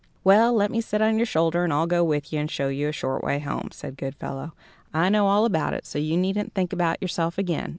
"Well, let me sit on your shoulder and I'll go with you and show you a short way home," said Goodfellow; "I know all about it, so you needn't think about yourself again.